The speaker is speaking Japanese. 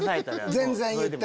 全然言って。